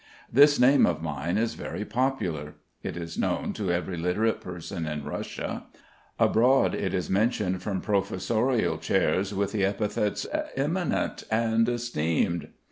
This name of mine is very popular. It is known to every literate person in Russia; abroad it is mentioned from professorial chairs with the epithets "eminent and esteemed."